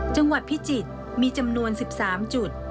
จังหวัดพิจิตรมีจำนวน๑๓จุด